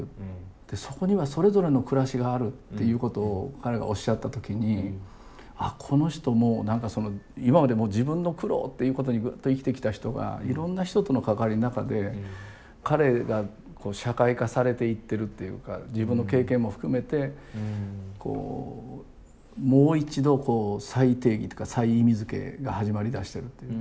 そこにはそれぞれの暮らしがあるっていうことを彼がおっしゃった時にあっこの人も何かその今までも自分の苦労っていうことにずっと生きてきた人がいろんな人との関わりの中で彼が社会化されていってるというか自分の経験も含めてこうもう一度再定義というか再意味づけが始まりだしてる。